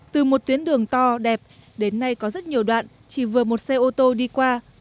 từ một tuyến đường to đẹp đến nay có rất nhiều đoạn chỉ vừa một xe ô tô đi qua